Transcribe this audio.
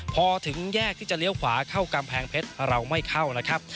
พอถึงแยกที่จะเลี้ยวขวาเข้ากำแพงเพชรเราไม่เข้าแล้วครับ